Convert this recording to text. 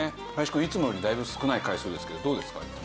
林くんいつもよりだいぶ少ない回数ですけどどうですか？